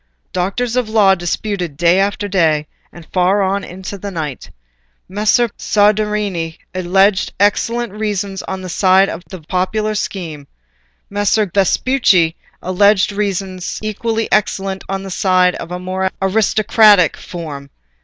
Doctors of law disputed day after day, and far on into the night. Messer Pagolantonio Soderini alleged excellent reasons on the side of the popular scheme; Messer Guidantonio Vespucci alleged reasons equally excellent on the side of a more aristocratic form.